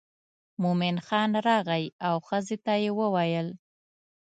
مومن خان راغی او ښځې ته یې وویل.